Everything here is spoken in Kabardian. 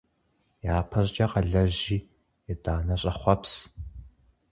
Япэщӏыкӏэ къэлэжьи, итӏанэ щӏэхъуэпс.